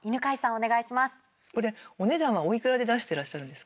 お願いします。